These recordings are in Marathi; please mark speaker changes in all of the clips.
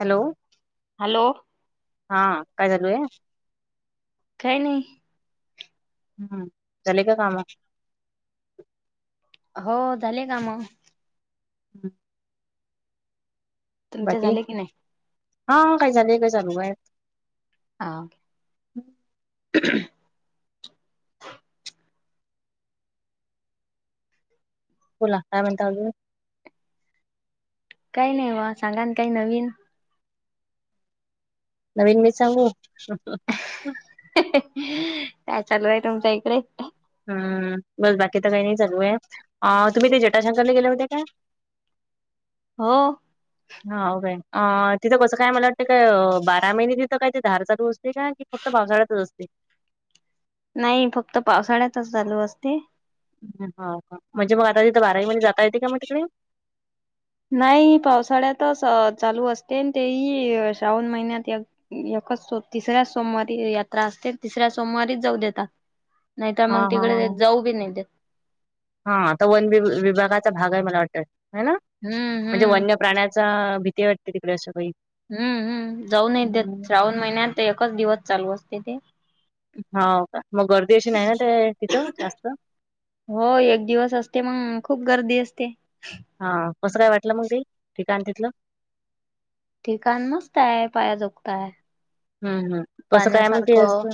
Speaker 1: हॅलो.
Speaker 2: हॅलो.
Speaker 1: हा काय चालूय.
Speaker 2: काही नाही.
Speaker 1: हम्म झाली का कामं?
Speaker 2: हो झाली कामं.
Speaker 1: हम्म.
Speaker 2: तुमचे
Speaker 1: बाकी
Speaker 2: झाले की नाही
Speaker 1: हा काही झालेय काय चालू आहे.
Speaker 2: हा.
Speaker 1: बोला. काय म्हणता आजुन.
Speaker 2: काही नाही बा सांगा ना काही नवीन.
Speaker 1: नवीन मीच सांगू.
Speaker 2: काय चालू आहे तुमच्या इकडे.
Speaker 1: हम्म बस बाकी तर काही नाही चालुय. तुम्ही ते जटाशंकरला गेले होते का?
Speaker 2: हो.
Speaker 1: हा काे तिथं कसं काय मला वाटतं काय बारा महिने तिथं काय ते धार चालू असते का. फक्त पावसाळ्यातच असते.
Speaker 2: नाही फक्त पावसाळ्यातच चालू असते.
Speaker 1: हा. म्हणजे मग आता तिथं बाराही महिने जाता येते का मग तिकडे?
Speaker 2: नाही पावसाळ्यातच चालू असते, तेही श्रावण महिन्यात. एकाच तिसऱ्या सोमवारी यात्रा असते. तिसऱ्या सोमवारीच जाऊ देतात. नाही तर
Speaker 1: हा
Speaker 2: मग
Speaker 1: हा
Speaker 2: तिकडे
Speaker 1: हा
Speaker 2: जाऊ बी नाही देत.
Speaker 1: हा आता वन विभागाचा भाग आहे मला वाटत. हा ना
Speaker 2: हम्म
Speaker 1: म्हणजे
Speaker 2: हम्म
Speaker 1: वन्य प्राण्या जा भीती वाटते तिकडे अशी बाई.
Speaker 2: हम् हम्म जाऊन नाही देत श्रावण महिन्यात एकच दिवस चालू असते ते.
Speaker 1: होव का. मग गर्दी अशी नाही ना ते तिथं जास्त.
Speaker 2: हो एक दिवस असते मग खूप गर्दी असते‌.
Speaker 1: हा कसं काय मग ते ठिकण तिथलं?
Speaker 2: ठिकाण मस्तय, पायाजुकताय
Speaker 1: हम्म हम्म कसं काय मग ते
Speaker 2: पाण्यासारखं.
Speaker 1: असं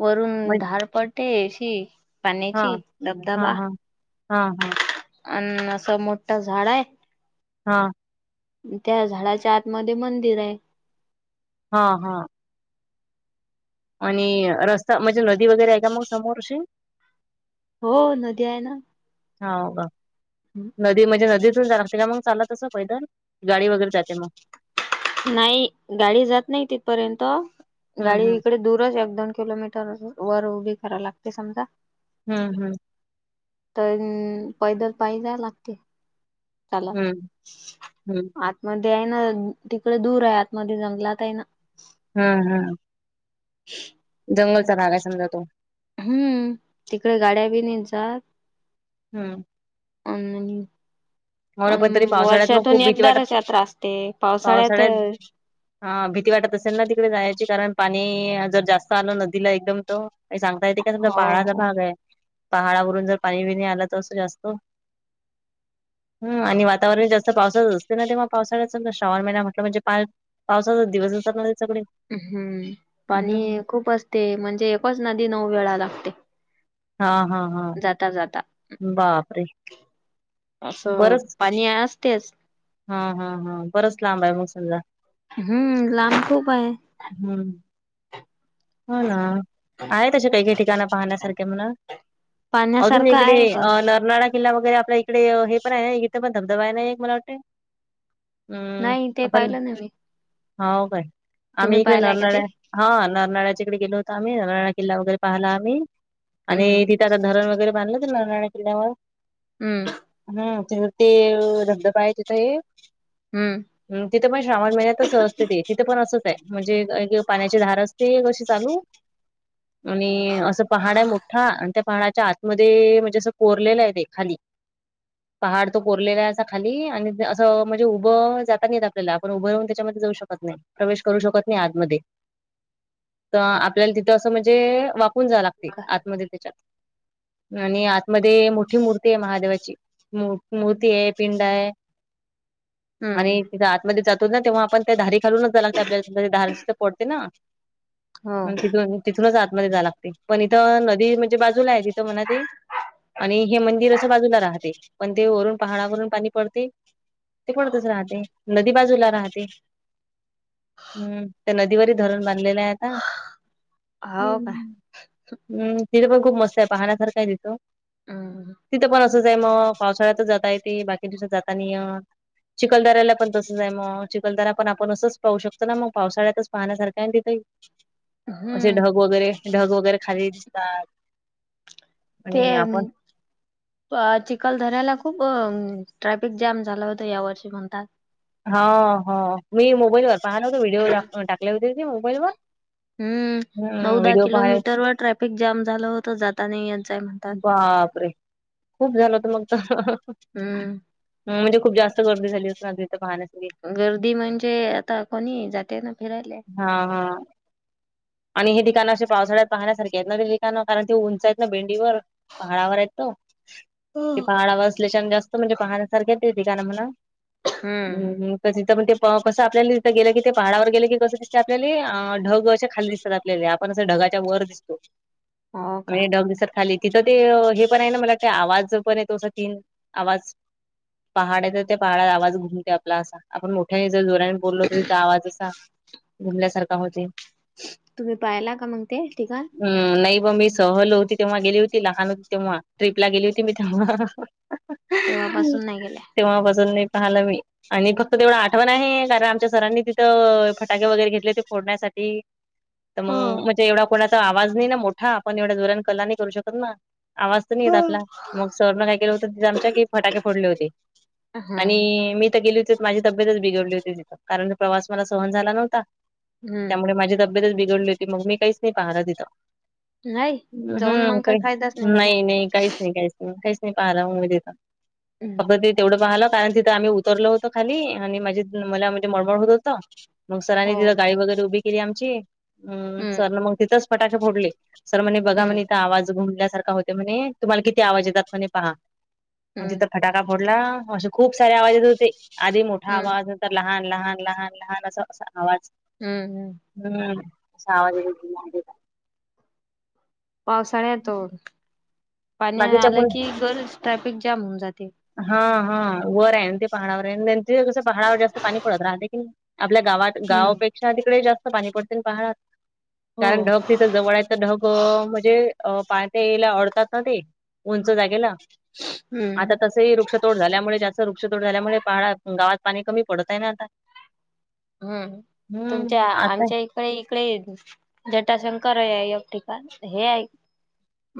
Speaker 2: वरून
Speaker 1: म्हण
Speaker 2: धार पडते अशी पाण्याची धबधबा.
Speaker 1: हा हा.
Speaker 2: अन असं मोठं झाड हाय.
Speaker 1: हा.
Speaker 2: त्या झाडाच्या आतमध्ये मंदिरय.
Speaker 1: हा हा. आणि रस्ता म्हणजे, नदी वगैरे आहे का मग समोर अशी.
Speaker 2: हो नदी आहे ना.
Speaker 1: होव का, नदी म्हणजे नदीतून जाला तेला मग चालात कसं पैदल गाडी वगैरे जाते मग.
Speaker 2: नाही गाडी जात नाही तिथपर्यंत.
Speaker 1: हम्म
Speaker 2: गाडी
Speaker 1: हम्म
Speaker 2: इकडे दूरच एकदोन किलोमीटर. तर वर उभी कराय लागते समजा
Speaker 1: हम्म हम्म
Speaker 2: तर पैदल पाहिला ना. चला
Speaker 1: हम्म हम्म
Speaker 2: आतमध्ये आहे ना तिकडे दूर आहे आतमध्ये जंगलात आहे ना.
Speaker 1: हा हा
Speaker 2: ह् [unintelligible]
Speaker 1: जंगलचा भाग आहे समदा तो.
Speaker 2: हम्म तिकडे गाड्या बी नाही जात.
Speaker 1: हम्म
Speaker 2: अ..
Speaker 1: हो ना
Speaker 2: पण
Speaker 1: तरी पावसाळ्यात मग
Speaker 2: वर्षातून
Speaker 1: खूप भीती
Speaker 2: एकदा
Speaker 1: वाटत
Speaker 2: रथयात्रा असते
Speaker 1: पावसाळ्यात
Speaker 2: पावसाळ्यातच
Speaker 1: हा भीती वाटत असेल ना तिकडे जायची कारण पाणी जर जास्त आलं नदीला एकदम त काही सांगता येते का समजा
Speaker 2: हो
Speaker 1: पहाडाचा
Speaker 2: हो.
Speaker 1: भाग आहे पहाडावरून जर पाणी विणी आलं तर असं जास्त हम्म आणि वातावरण जास्त पावसाच असते ना तेव्हा पावसाळ्यात समजा श्रावण महिना म्हटलं म्हणजे पाल पावसाचे दिवस असतात ना सगळे. हम्म
Speaker 2: ते म्हणजे [unintelligible] नदी नऊ वेळा लागते.
Speaker 1: हा हा हा
Speaker 2: जाता जाता
Speaker 1: बापरे बरंच
Speaker 2: मी असतेच.
Speaker 1: हा हा हा बरंच लांब आहे मग समजा
Speaker 2: हम्म लांब खूप आहे.
Speaker 1: हम्म हो ना आहेत तसे काही काही ठिकाणं पाहण्यासारखे म्हण अजून
Speaker 2: पाहण्यासारखं
Speaker 1: इकडे
Speaker 2: आहे पण
Speaker 1: अ नरनाळा किल्ला वगैरे आपला इकडे हे पण आहे इथ पण धबधबा आहे नाही एक मला वाटत. हम्
Speaker 2: नाही ते
Speaker 1: आपण
Speaker 2: पाहिलं नाही मी
Speaker 1: हाव काय
Speaker 2: तुम्ही
Speaker 1: आम्ही इकडे
Speaker 2: पाहिलाय का ते
Speaker 1: नरनाळ्या हा नरनाळ्याच्या इकडे गेलो होतो आम्ही नरनाळा किल्ला वगैरे पाहाला आम्ही
Speaker 2: हम्म
Speaker 1: आणि तिथ त्यान धरण वगैरे बांधलं की नरनाळ्या किल्ल्यावर
Speaker 2: अं
Speaker 1: हम्म ते तिथे धबधबा आहे तिथे हे
Speaker 2: हम्म
Speaker 1: हम्म्म तिथं पण श्रावण महिन्यातच असते ते तिथं पण असंच आहे म्हणजे एक पाण्याची धार असते अशी चालू आणि असं पहाड आहे मोठा आणि त्या पहाडाच्या आतमध्ये म्हणजे असं कोरलेलं आहे ते खाली
Speaker 2: [inaudible]
Speaker 1: पहाड तो कोरलेला आहे असा खाली आणि अस म्हणजे उभं जाता येत नाहीेत आपल्याला पण आपण उभं राऊन त्याच्यामध्ये जाऊ शकत नाही. प्रवेश करू शकत नाही आतमध्ये. तर आपल्याला तिथं असं म्हणजे वाकून जाव लागते आतमध्ये त्याच्यात आणि आत मध्ये मोठी मूर्ती आहे महादेवाची मू मूर्ती आहे पिंड आहे
Speaker 2: हम्म
Speaker 1: आणि तिथ आतमध्ये जातो ना तेव्हा आपण ते धारी खालूनच जायला लागत आपल्याला तर धारच तर पडते ना.
Speaker 2: हो
Speaker 1: आणि तिथून तिथूनच आतमध्ये जा लागते पण इथं नदी म्हणजे बाजूला आहे तिथं नदी आणि हे मंदिर असं बाजूला राहते पण ते वरून पहाडावरून पाणी पडते. ते पडतच राहते नदी बाजूला राहते. हम्म त्या नदीवरील धरण बांधलेलं आहे आता
Speaker 2: हो का
Speaker 1: हम् हम्म तिथं पण खूप मस्त आहे पाहण्यासारखं आहे तिथं
Speaker 2: हम्म
Speaker 1: तिथं पण असंच आहे मग पावसाळ्यातच जाता येते बाकी दिवसात जाता नाही येत चिखलदऱ्याला पण तसच आहे मग चिखलदरा पण आपण असंच पाहू शकतो ना मग पावसाळ्यातच पाहण्यासारखं आहे ना तिथे म्हणजे
Speaker 2: हम्म
Speaker 1: ढग वगैरे ढग वगैरे खाली दिसतात.
Speaker 2: ते आणि चिखलदराला खूप ट्रॅफिक जॅम झाला होत या वर्षी म्हणतात.
Speaker 1: हा ह मी मोबाईल वर पाहत होत व्हिडिओ टाकले होते ते मोबाईल वर
Speaker 2: हम्म नऊदाहा किलोमीटर वर ट्रॅफिक जाम झालं होत जाता नाही येत जाय
Speaker 1: बापरे खूप झालं होत मग त हम्म म्हणजे खूप जास्त गर्दी झाली असनार इथ पाहण्यासाठी
Speaker 2: गर्दी म्हणजे तर कोणी जाते ना फिराले.
Speaker 1: हा हा आणि हे ठिकाणं असे पावसाळ्यात पाहण्यासारखी आहेत ना ते ठिकाणं कारण ते उंच आहेत ना भेंडीवर पहाडावर येतो ते पहाडावर असल्या छान जास्त म्हणजे पाहण्यासारखे हे ठिकाण म्हणावं हम्म हम्म कधी तर ते पा आपल्याला तिथं गेलं कि ते पहाडावर गेलं की कसं दिसते आपल्याले ढग असे खाली दिसत [unintelligible] आपण अस ढगाच्या वर दिसतो,
Speaker 2: हो का?
Speaker 1: वेग ढग दिसत खाली. तिथं ते हे पण आहे ना मला वाटते आवाज पण येतो आसा तीन आवाज. पहाड हे त त्या पहाडात आवाज घुमते आपला असा आपण मो ठ्याने जर जोराने बोललो तरी तो आवाज असा घुमल्यासारखा होतय.
Speaker 2: तुम्ही पाहिला का मग ते ठीकान.
Speaker 1: हं नाही ब मी सहल होती तेव्हा गेली होती लहान होती तेव्हा, ट्रीपला गेली होती मी तेव्हा.
Speaker 2: तेव्हा पासून नाही गेल्या.
Speaker 1: तेव्हा पसून नही पाहालं मी! आणि फक्त तेवढं आठवण आहे, कारण आमच्या सरांनी तिथं फटाके वगैरे घेतले ते फोडण्यासाठी. त
Speaker 2: हो.
Speaker 1: मंग म्हणजे एवढा कोणाचा आवाज नाही ना मोठा, आपण एवढ्या जोरान कल्ला नही करू शकत ना! आवाज तर नही येत
Speaker 2: हम्म.
Speaker 1: आपला, मग सरनं काय केलं होतं त तिथं आमच्या की फटाके फोडले होते. आणि मी त गेली तेत माझी तबेतच बिघडली होती तिथ कारण प्रवास मला सहन झाला नव्हता
Speaker 2: हम्म.
Speaker 1: त्यामुळे माझी तब ब्येत बिघडली होती मग मी काहीच नही पाहल तिथं.
Speaker 2: नाही
Speaker 1: न
Speaker 2: जाऊन
Speaker 1: हं
Speaker 2: मग काही फायदाच झाला.
Speaker 1: नाही, नाही काहीच नाही, काहीच. काहीच नाही पाहाल म मी तिथं, फक्त
Speaker 2: हम्म.
Speaker 1: ते तेवढं पाहलं कारण तिथं आम्ही उतरलो हो तो खाली आणि मझे मला म्हणजे मळमळ होत होत, मग सरांनी
Speaker 2: हो
Speaker 1: तिथ
Speaker 2: का?
Speaker 1: गाडी वगैरे उभी केली आमची. हूं
Speaker 2: हम्म.
Speaker 1: सर न मग तिथंच फटाके फोडले सर म्हणे बघा म्हणे
Speaker 2: हम्म.
Speaker 1: ईथ आवाज घुमल्या सारखा होते म्हणे, तुम्हाला किती आवाज येतात म्हणे पहा, अ
Speaker 2: हम्म.
Speaker 1: जिथं फटा का फोडला असे खूप सारे आवाज येत होते आधी मोठा
Speaker 2: हम्म.
Speaker 1: आवाज. तर लहान लहान लहान लहान अस अस आवाज.
Speaker 2: हूं हूं!
Speaker 1: हूं असं आवाज येत [unintelligible]
Speaker 2: पावसाळ्या तुन पाणी
Speaker 1: बाकीच्या
Speaker 2: आलं
Speaker 1: मुल
Speaker 2: की, गरीच ट्रॅफिक जाम होऊन जाते.
Speaker 1: हा हा वर आहे न ते पहाडावर आहे, न थित कस पहाडावर जास्त पाणी पडत राहते की. आपल्या गावात
Speaker 2: हम्म.
Speaker 1: गावापेक्षा तिकडे जास्त पाणी पडतय न पहाडात.
Speaker 2: हो.
Speaker 1: कारण ढग तिथं जवळआहेत त ढग म्हणजे अ पाणी [unintelligible] अडतात ना ते! उंच जागेला! आता
Speaker 2: हूं!
Speaker 1: तसही वृक्षतोड झाल्यामुळे जास्त वृक्षतोड झाल्यामुळे, पहाडात गावात पाणी कमी पडत आहे ना आता!
Speaker 2: हूं!
Speaker 1: हम्म
Speaker 2: तुमच्या
Speaker 1: आता
Speaker 2: आमच्या ही इकडे जटाशंकर आहे एक ठिकाण हे आहे.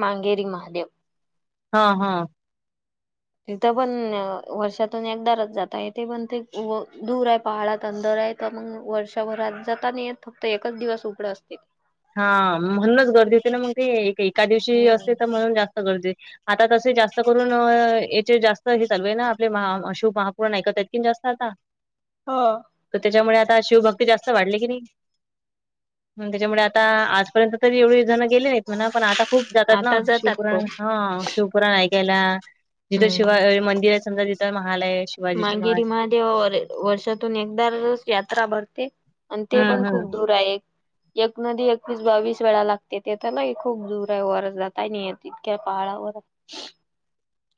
Speaker 2: मांगेरी महादेव.
Speaker 1: हा हा!
Speaker 2: तिथं पन वर्षातून एकदारच जाता येते, पण ते व दूर आहे पहाडात अंदर आहेत. त मग वर्षाभरात जाता नाही फक्त एकच दिवस उघडं असते.
Speaker 1: हा म्हणूनच गर्दी होते ना मग ती एक एका दिवशी असते
Speaker 2: हम्म
Speaker 1: त म्हणून जास्त गर्दी. आता तसे जास्त करून याचे जास्त हे चालू आहे ना आपले महा अ शुभ महा व नाही का त्यात किन जास्त आता.
Speaker 2: ह!
Speaker 1: त त्याच्यामुळे आता शिवभक्ती जास्त वाढली की नही, मंग त्याच्यामुळे आता आज. पर्यंत तरी एवढी जण गेले, म्हणा पण आता खूप जातात ना
Speaker 2: आता
Speaker 1: शिव
Speaker 2: जातात खूप
Speaker 1: पुराण हा शिव पुराण ऐकायला जिथं
Speaker 2: हम्म
Speaker 1: शिवाय मंदिर आहे समजा जिथं महालय. शिवाजीचे महाल
Speaker 2: मांगेरी महादेव वर्षातून एकदारच यात्रा भरते. आण ते पण
Speaker 1: हम्म हम्म
Speaker 2: खूप दूर आहे एक. एक नदी एकवीस बावीस वेळा लागते तेथ ना खूप दूर आहे वर जाता नाही येत इतक्या पहाडा वर [inaudible]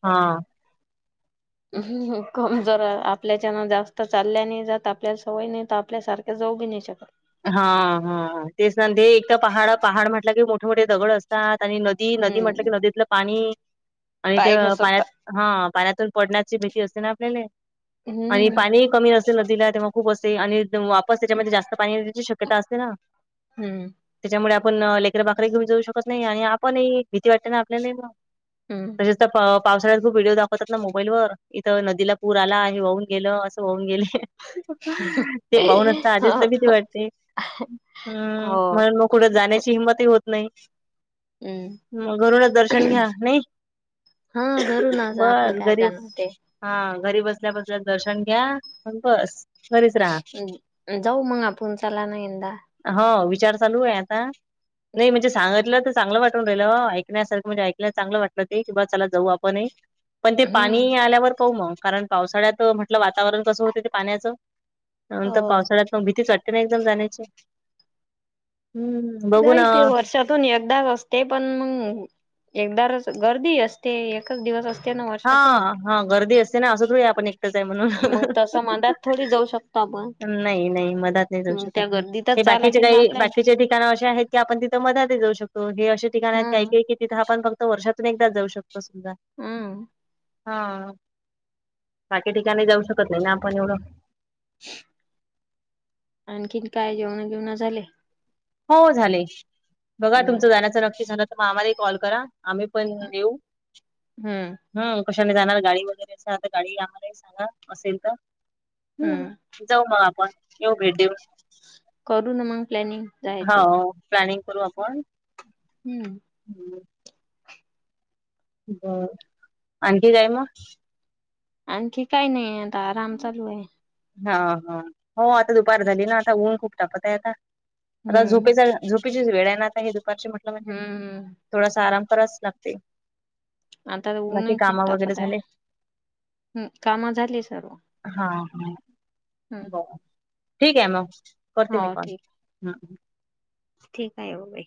Speaker 1: हां.
Speaker 2: कमजोर आपल्याच्यान जास्त चालल्या नाही जात आपल्याला सवयी नाही आपल्यासारख जाऊ बी नाही शकत.
Speaker 1: हां हां तेच न ते एक तर पहाड पहाड म्हटल की मोठे मोठे दगड असतात आणि नदी. ती नदी म्हटल की
Speaker 2: हम्म
Speaker 1: नदीतल पाणी आणि
Speaker 2: पाय
Speaker 1: त्या पाया
Speaker 2: घसरतात.
Speaker 1: हा पाण्यात पण पडण्याची भीती असते ना आपल्याले. आणि
Speaker 2: हम्म
Speaker 1: पाणी ही कमी असेल नदीला तेव्हा खूप असते आणि वापस त्याच्यामध्ये जास्त पाणी शक्यता असते ना.
Speaker 2: हम्म
Speaker 1: त्याच्यामुळे आपण लेकर, भाकरी घेऊन जाऊ शकत नाही आणि आपण ही भीती वाटते ना आपल्याला मग.
Speaker 2: हम्म
Speaker 1: तर पावसाळ्यात खूप व्हिडिओ दाखवतात ना मोबाईल व इथ नदीला पूर आला हे वाहून गेल असे वाहून गेले. ते पाहूनच आधीच तर
Speaker 2: हो
Speaker 1: भीती वाटते. हम्म
Speaker 2: हो
Speaker 1: म्हणून मग कुठ जाण्याची हिंमतही होत नाही.
Speaker 2: हम्म
Speaker 1: मग घरूनच दर्शन घ्या नाही.
Speaker 2: हा घरूनच आपल काय जाण होतय.
Speaker 1: हां घरी बसल्या बसल्या दर्शन घ्या बस. घरीच राहा
Speaker 2: जाऊ मग आपण चला ना यंदा.
Speaker 1: हो विचार चालू आहे आता. नाही म्हणजे सांगितल तर चांगल वाटून राहिल ऐकण्यासारख म्हणजे ऐकाल्यावर चांगल वाटल ते. की बा चला जाऊ आपणही. पण ते
Speaker 2: हम्म
Speaker 1: पाणी आल्यावर पाहू मग कारण पावसाळ्यात म्हटल वातावरण कस होत ते पाण्याच.
Speaker 2: हो
Speaker 1: नंतर पावसाळ्यात पण भीतीच वाटते ना एकदम जाण्याची. बघू ना
Speaker 2: नाही ते व्हाट्सअप. तथून एकदा रस्ते पण मग एकदा र गर्दी असते एकच दिवस असते. ना वर्षातून
Speaker 1: हां हां गर्दी असते ना अस थोडी आपण आपण एकटच आहे म्हणून
Speaker 2: मग तसं मधात थोडी जाऊ शकतो आपण
Speaker 1: नाही नाही मधात नाही जाऊ
Speaker 2: मग
Speaker 1: शकत.
Speaker 2: त्या
Speaker 1: हे
Speaker 2: गर्दीतच जा
Speaker 1: बाकीचे
Speaker 2: लागेल ना
Speaker 1: काही
Speaker 2: आपल्याला
Speaker 1: बाकीचे ते ठिकाण अशे आहेत की आपण तिथ मधात ही जाऊ शकतो हे अशा ठिकाण आहेत काही
Speaker 2: हम्म
Speaker 1: काही की तिथ आपण फक्त वर्षातून एकदाच जाऊ शकतो सुद्धा.
Speaker 2: हम्म.
Speaker 1: हां बाकी ठिकाणी जाऊ शकत नाही ना आपण एवढ.
Speaker 2: [inaudible] आणखीन काय जेवण बीवण झाले?
Speaker 1: हो झाले बघा
Speaker 2: हम्म
Speaker 1: तुमच जाण्याच नक्की झाल तर मग आम्हालाही कॉल करा. आम्ही पण येऊ.
Speaker 2: हम्म
Speaker 1: हम्म कशाने जाणार गाडी वगैरे अस तर गाडी आम्हालाही सांगा असेल तर.
Speaker 2: हम्म
Speaker 1: जाऊ मग आपण येऊ भेट देऊन.
Speaker 2: करू ना मग प्लॅनिंग. जायची
Speaker 1: हाव प्लॅनिंग करू आपण.
Speaker 2: हम्म
Speaker 1: हम्म आणखी काय मग?
Speaker 2: आणखी काही नाही आता आराम चालू आहे.
Speaker 1: हा, हा, हो आता दुपार झाली ना आता ऊन खूप तापत आहे आता आता
Speaker 2: हम्म
Speaker 1: झोपेचा झोपेची वेळ आहे ना आता आहे दुपारची वेळ म्हटलं म्हणजे
Speaker 2: हम्म
Speaker 1: थोडासा आराम करावाचं लागते.
Speaker 2: आता
Speaker 1: बाकी
Speaker 2: ऊनही खूप
Speaker 1: कामा वगैरे
Speaker 2: तापत आहे.
Speaker 1: झाले
Speaker 2: हम्म कामं झाली सर्व
Speaker 1: हा हां
Speaker 2: हम्म
Speaker 1: बरं ठीक आहे मग करते मी
Speaker 2: हो
Speaker 1: काॅल
Speaker 2: ठीक
Speaker 1: हम्म
Speaker 2: ठीक आहे हो बाई